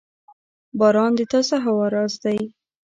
• باران د تازه هوا راز دی.